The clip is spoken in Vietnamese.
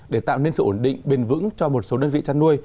để tạo nên sự ổn định bền vững cho một số đơn vị chăn nuôi